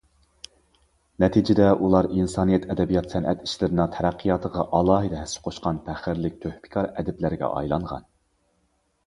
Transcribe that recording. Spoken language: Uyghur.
نەتىجىدە ئۇلار ئىنسانىيەت ئەدەبىيات- سەنئەت ئىشلىرىنىڭ تەرەققىياتىغا ئالاھىدە ھەسسە قوشقان پەخىرلىك، تۆھپىكار ئەدىبلەرگە ئايلانغان.